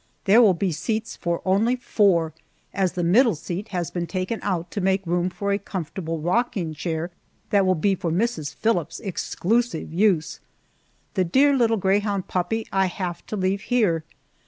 There will be seats for only four, as the middle seat has been taken out to make room for a comfortable rocking chair that will be for Mrs. Phillips's exclusive use! The dear little greyhound puppy I have to leave here.